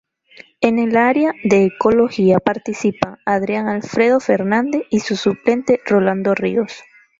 En el área de ecología participan Adrián Alfredo Fernández y su suplente Rolando Ríos.